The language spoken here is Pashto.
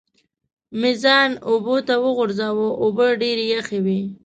مې ځان اوبو ته وغورځاوه، اوبه ډېرې یخې وې.